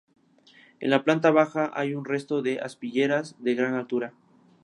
En la planta baja hay un resto de aspilleras de gran altura.